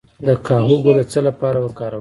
د کاهو ګل د څه لپاره وکاروم؟